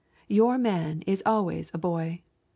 Your man is always a boy.